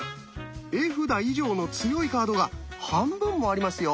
絵札以上の強いカードが半分もありますよ！